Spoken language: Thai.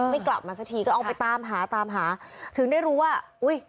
ไม่กลับมาสักทีก็เอาไปตามหาตามหาถึงได้รู้ว่าอุ้ย